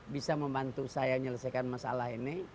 bisa membantu saya menyelesaikan masalah ini